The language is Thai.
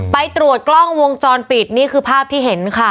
ไปตรวจกล้องวงจรปิดนี่คือภาพที่เห็นค่ะ